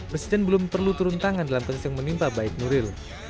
presiden belum perlu turun tangan dalam kasus yang menimpa baik nuril